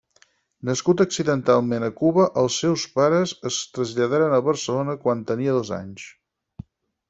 Nascut accidentalment a Cuba, els seus pares es traslladaren a Barcelona quan tenia dos anys.